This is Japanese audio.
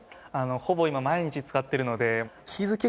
ほぼ今毎日使っているので。